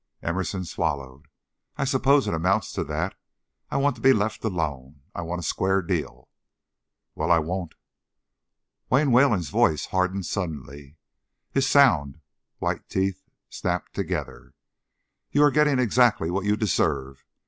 Emerson swallowed. "I suppose it amounts to that. I want to be let alone, I want a square deal." "Well, I won't." Wayne Wayland's voice hardened suddenly; his sound, white teeth snapped together. "You are getting exactly what you deserve.